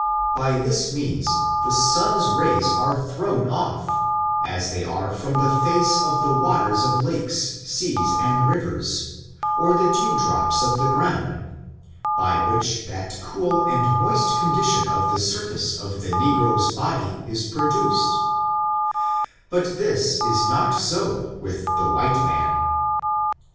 By this means, the sun's rays are thrown off, as they are from the face of the waters of lakes, seas and rivers, or the dew drops of the ground, by which that cool and moist condition of the surface of the negro's body is produced — but this is not so with the white man.